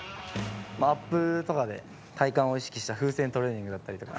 アップとかで、体幹を意識した風船トレーニングだったりとか。